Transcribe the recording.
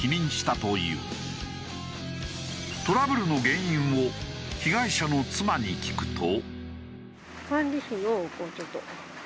トラブルの原因を被害者の妻に聞くと。